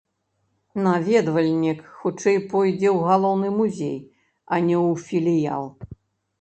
Наведвальнік хутчэй пойдзе ў галоўны музей, а не ў філіял.